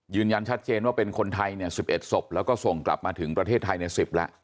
ยืนยันชัดเจนว่าเป็นคนไทย๑๑ศพแล้วก็ส่งกลับมาถึงประเทศไทยใน๑๐แล้ว